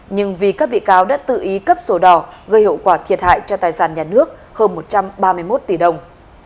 nhưng vì các bị cáo đã tự ý cấp sổ đỏ gây hậu quả thiệt hại cho tài sản nhà nước hơn một trăm ba mươi một tỷ đồng